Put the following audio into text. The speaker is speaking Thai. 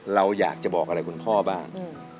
เราอยากจะบอกอะไรคุณพ่อบ้าง